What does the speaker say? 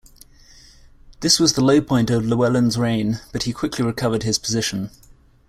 This was the low point of Llywelyn's reign, but he quickly recovered his position.